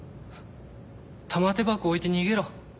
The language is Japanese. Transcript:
玉手箱を置いて逃げろ。